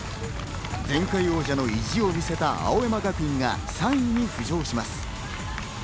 前回王者の意地を見せた青山学院が３位に浮上します。